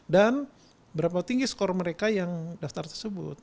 dan berapa tinggi skor mereka yang daftar tersebut